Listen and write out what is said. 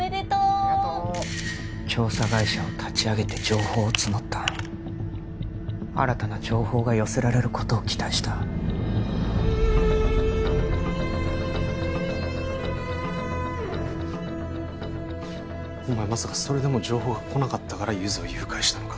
ありがとう調査会社を立ち上げて情報を募った新たな情報が寄せられることを期待したお前まさかそれでも情報が来なかったからゆづを誘拐したのか？